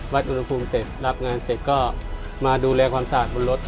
อุณหภูมิเสร็จรับงานเสร็จก็มาดูแลความสะอาดบนรถ